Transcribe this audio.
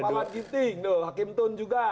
pak mat giting hakim tun juga